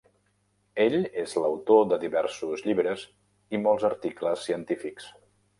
Ell és l'autor de diversos llibres i molts articles científics.